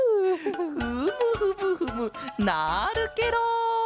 フムフムフムなるケロ！